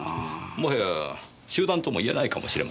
もはや集団とも言えないかもしれませんねえ。